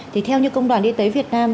thì theo như công đoàn y tế việt nam